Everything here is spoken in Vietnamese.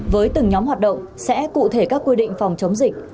với từng nhóm hoạt động sẽ cụ thể các quy định phòng chống dịch